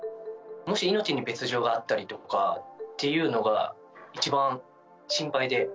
もし命に別状があったりとかっていうのが一番心配で。